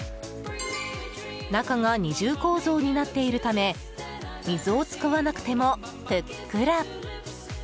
中が二重構造になっているため水を使わなくても、ふっくら。